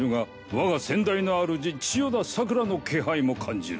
我が先代のあるじ千代田桜の気配も感じる